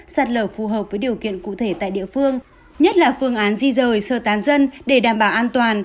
sạt lở phù hợp với điều kiện cụ thể tại địa phương nhất là phương án di rời sơ tán dân để đảm bảo an toàn